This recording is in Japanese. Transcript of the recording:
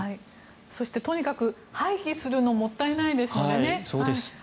そして、とにかく廃棄するのはもったいないですからね。